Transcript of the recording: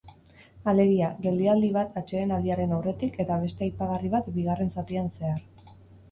Alegia, geldialdi bat atsedenaldiaren aurretik eta beste aipagarri bat bigarren zatian zehar.